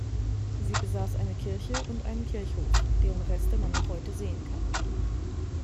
Sie besaß eine Kirche und einen Kirchhof, deren Reste man heute noch sehen kann.